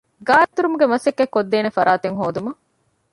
ގާއެތުރުމުގެ މަސައްކަތްކޮށްދޭނެ ފަރާތެއް ހޯދުމަށް